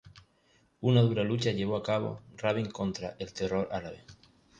Una dura lucha llevó a cabo Rabin contra el terror árabe.